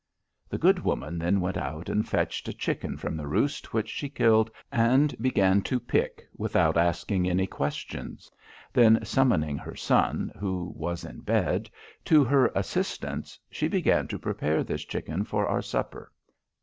"The good woman then went out and fetched a chicken from the roost, which she killed, and began to pick, without asking any questions. Then, summoning her son, who was in bed, to her assistance, she began to prepare this chicken for our supper.